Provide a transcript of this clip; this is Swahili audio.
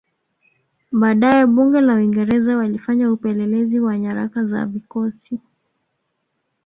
Baadae Bunge la Uingereza walifanya upelelezi wa nyaraka za vikosi